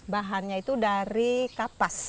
bahannya itu dari kapas